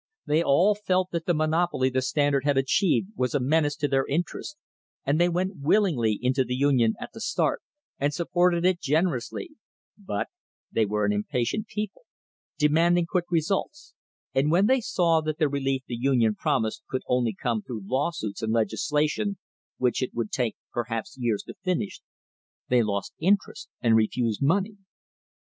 They all felt that the monopoly the Standard had achieved was a menace to their interests, and they went willingly into the Union at the start, and supported it generously, but they were an impatient people, demanding quick results, and when they saw that the relief the Union promised could only come through lawsuits and legislation which it would take perhaps years to finish, they lost interest and refused money.